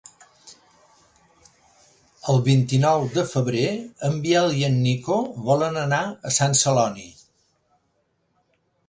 El vint-i-nou de febrer en Biel i en Nico volen anar a Sant Celoni.